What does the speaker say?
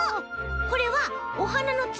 これはおはなのつぼみ？